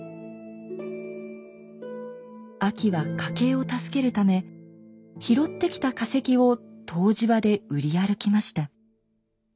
あきは家計を助けるため拾ってきた化石を湯治場で売り歩きました。